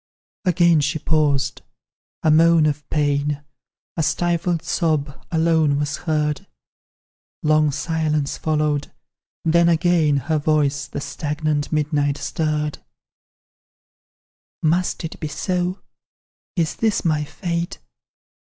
Again she paused; a moan of pain, A stifled sob, alone was heard; Long silence followed then again Her voice the stagnant midnight stirred. "Must it be so? Is this my fate?